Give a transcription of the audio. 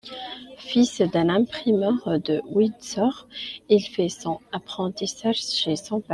Fils d'un imprimeur de Windsor, il fait son apprentissage chez son père.